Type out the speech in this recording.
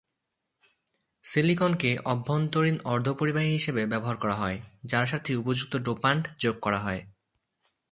সিলিকনকে অভ্যন্তরীণ অর্ধপরিবাহী হিসেবে ব্যবহার করা হয়, যার সাথে উপযুক্ত ডোপান্ট যোগ করা হয়।